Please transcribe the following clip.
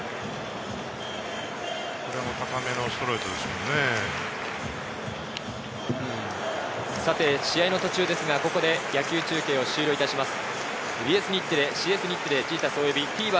これも高めのストレート試合の途中ですが、ここで野球中継を終了いたします。